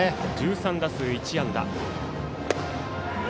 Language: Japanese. １３打数１安打。